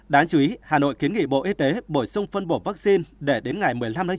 đáng chú ý hà nội kiến nghị bộ y tế bổ sung phân bổ vaccine để đến ngày một mươi năm tháng chín